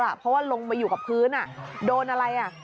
เพราะว่าลงมาอยู่กับพื้นโดนอะไร